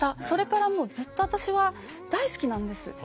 それからもうずっと私は大好きなんです。